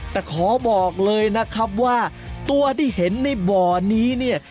แต่ขอบอกเลยนะครับว่าตัวที่เห็นในบ่อนี้เนี่ย